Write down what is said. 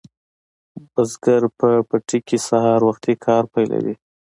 بزګر په پټي کې سهار وختي کار پیلوي.